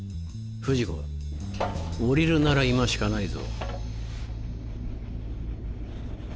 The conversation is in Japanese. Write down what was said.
不二子降りるなら今しかないぞ・